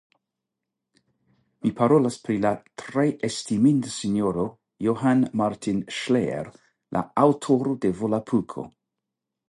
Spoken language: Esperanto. Mi parolas pri la tre estiminda sinjoro Johann Martin Ŝlejer, la aŭtoro de Volapuko.